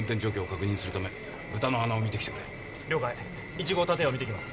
１号建屋を見てきます。